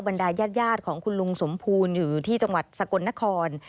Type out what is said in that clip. ดายญาติของคุณลุงสมภูลอยู่ที่จังหวัดสกลนคร